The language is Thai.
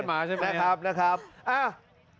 ไม่ได้นัดกันมาใช่ไหม